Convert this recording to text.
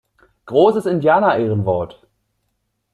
Großes Indianerehrenwort!